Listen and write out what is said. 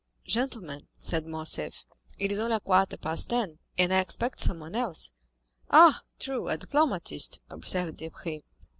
"Gentlemen," said Morcerf, "it is only a quarter past ten, and I expect someone else." "Ah, true, a diplomatist!" observed Debray.